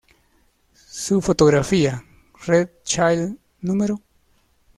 Su fotografía ‘’Red Child No.